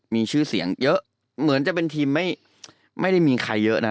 มีชื่อเสียงเยอะเหมือนจะเป็นทีมไม่ได้มีใครเยอะนะ